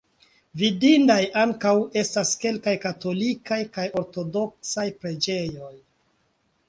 Vidindaj ankaŭ estas kelkaj katolikaj kaj ortodoksaj preĝejoj.